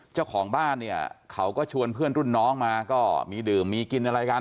เจ้าของบ้านเนี่ยเขาก็ชวนเพื่อนรุ่นน้องมาก็มีดื่มมีกินอะไรกัน